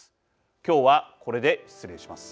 今日はこれで失礼します。